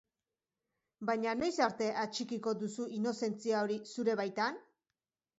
Baina noiz arte atxikiko duzu inozentzia hori, zure baitan?